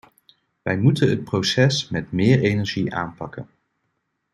Wij moeten het proces met meer energie aanpakken.